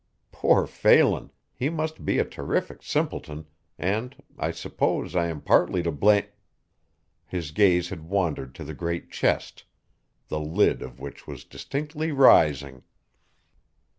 Poor Phelan, he must be a terrific simpleton, and I suppose I am partly to bla" His gaze had wandered to the great chest, the lid of which was distinctly rising.